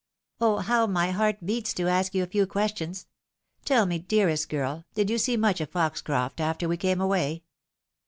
" Oh, how my heart beats to ask you a few questions !. Tell me, dearest girl, did you see much of Poxorof t after we came away